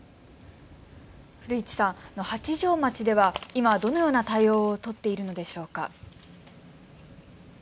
古市さん、八丈町では今どのような対応を取っているのでしょうか。